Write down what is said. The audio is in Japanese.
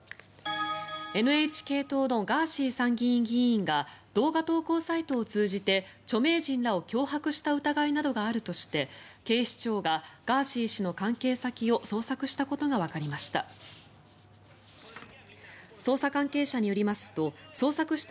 ＮＨＫ党のガーシー参議院議員が動画投稿サイトを通じて著名人らを脅迫した疑いなどがあるとして警視庁がガーシー氏の関係先を捜索したことがわかりました。